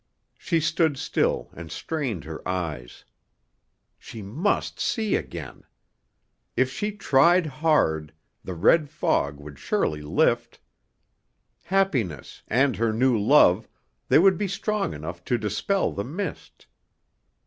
She stood still and strained her eyes. She must see again. If she tried hard, the red fog would surely lift. Happiness, and her new love, they would be strong enough to dispel the mist.